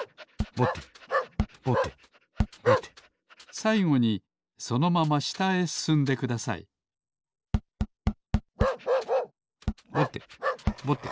さいごにそのまましたへすすんでくださいぼてぼて。